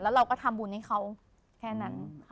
แล้วเราก็ทำบุญให้เขาแค่นั้นค่ะ